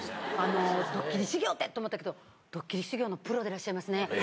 ドッキリ修行ってって思ったけど、ドッキリ修行のプロでらっしゃいますね。